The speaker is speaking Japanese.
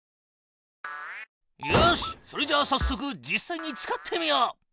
よしっそれじゃあさっそく実さいに使ってみよう。